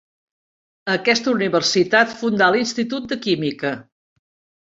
A aquesta universitat fundà l'Institut de química.